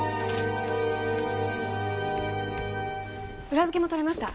裏付けも取れました。